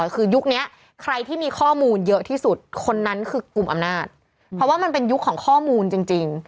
คือยุคนี้ใครที่มีข้อมูลเยอะที่สุดคนนั้นคือกลุ่มอำนาจเพราะว่ามันเป็นยุคของข้อมูลจริง